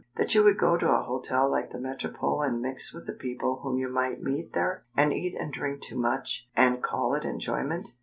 That you would go to a hotel like the Metropole and mix with the people whom you might meet there, and eat and drink too much, and call it enjoyment?